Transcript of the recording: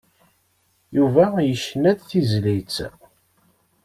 Yuba yecna-d tizlit.